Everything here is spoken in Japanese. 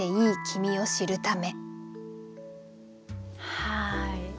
はい。